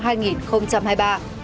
luật nhà ở sửa đổi